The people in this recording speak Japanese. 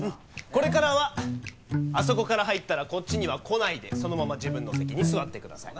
これからはあそこから入ったらこっちには来ないでそのまま自分の席に座ってください。